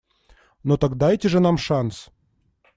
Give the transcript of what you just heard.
Ну так дайте же нам шанс.